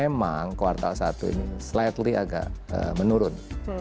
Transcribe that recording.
karena kalau kita lihat di portal satu ini slightly agak menurun